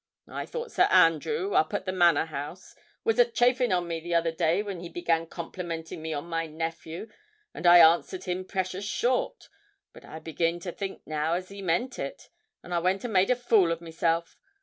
I thought Sir Andrew, up at the Manor House, was a chaffing me the other day when he began complimenting me on my nephew, and I answered him precious short; but I begin to think now as he meant it, and I went and made a fool of myself!